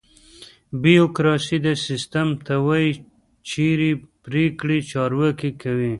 بیوروکراسي: داسې سیستم ته وایي چېرې پرېکړې چارواکي کوي.